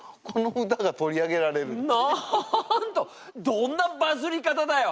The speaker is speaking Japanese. どんなバズり方だよ！